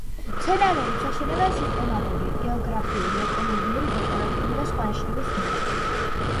მცენარეებს აშენებენ სისტემატური, გეოგრაფიული, ეკოლოგიური, დეკორატიული და სხვა ნიშნების მიხედვით.